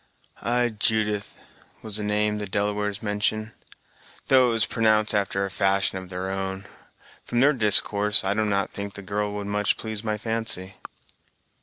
"Ay, Judith was the name the Delawares mentioned, though it was pronounced after a fashion of their own. From their discourse, I do not think the girl would much please my fancy."